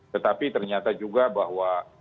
tetapi ternyata juga bahwa